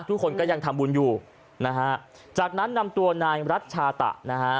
ทุกคนก็ยังทำบุญอยู่นะฮะจากนั้นนำตัวนายรัชชาตะนะฮะ